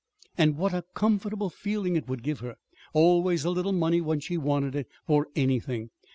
And what a comfortable feeling it would give her always a little money when she wanted it for anything!